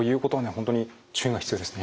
本当に注意が必要ですね。